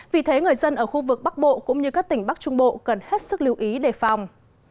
vì thế người dân ở khu vực bắc bộ cũng như các tỉnh bắc trung bộ cần hết sức lưu ý đề phòng